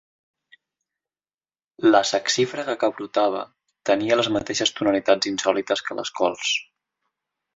La saxífraga que brotava tenia les mateixes tonalitats insòlites que les cols.